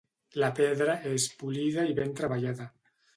La pedra és polida i ben treballada.